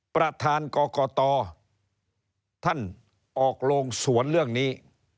ประธานกรกตท่านออกโรงสวนเรื่องนี้